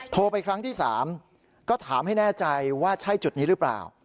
โทรไปครั้งที่๓ก็ถามให้แน่ใจว่าใช่จุดนี้หรือเปล่า